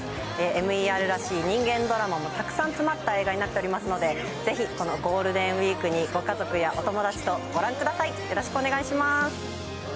ＭＥＲらしい人間ドラマもたくさん詰まった映画になっておりますので、ぜひこのゴールデンウイークにご家族やお友達とご覧ください、よろしくお願いします。